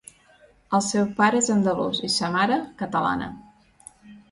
El seu pare és andalús i sa mare, catalana.